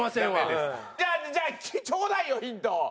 じゃあちょうだいよヒントを。